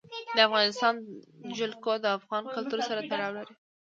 د افغانستان جلکو د افغان کلتور سره تړاو لري.